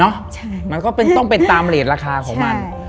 ใช่มันก็ต้องเป็นตามเรทราคาของมัน